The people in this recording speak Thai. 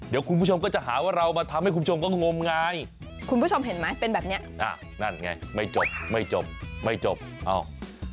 เดี๋ยวคุณผู้ชมก็จะหาว่าเรามาทำให้คุณผู้ชมก็งมงายคุณผู้ชมเห็นไหมเป็นแบบเนี้ยอ่านั่นไงไม่จบไม่จบไม่จบเอ้า